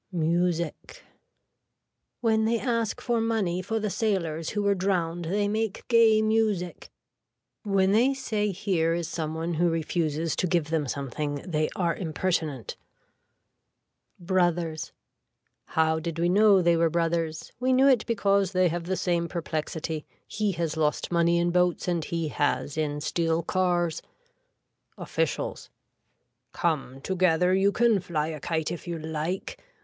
Music. When they ask for money for the sailors who were drowned they make gay music. When they say here is some one who refuses to give them something they are impertinent. (Brothers.) How did we know they were brothers. We knew it because they have the same perplexity. He has lost money in boats and he has in steel cars. (Officials.) Come together you can fly a kite if you like.